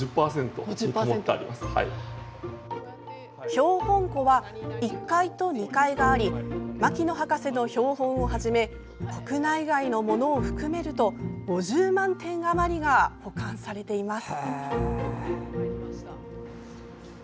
標本庫は１階と２階があり牧野博士の標本をはじめ国内外のものを含めると５０万点余りが保管されています。